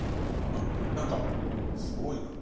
何かすごいな。